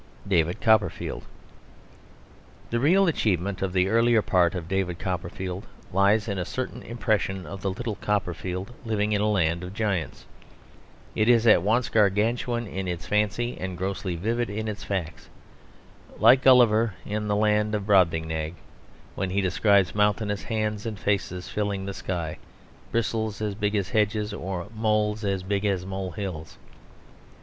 DAVID COPPERFIELD The real achievement of the earlier part of David Copperfield lies in a certain impression of the little Copperfield living in a land of giants. It is at once Gargantuan in its fancy and grossly vivid in its facts; like Gulliver in the land of Brobdingnag when he describes mountainous hands and faces filling the sky, bristles as big as hedges, or moles as big as molehills.